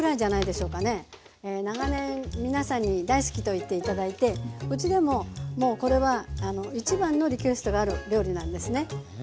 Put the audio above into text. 長年皆さんに大好きと言って頂いてうちでももうこれは一番のリクエストがある料理なんですね。